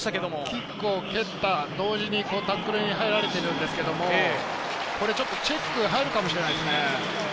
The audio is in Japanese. キックを蹴ったと同時にタックルに入られているんですけれども、ちょっとチェック入るかもしれないですね。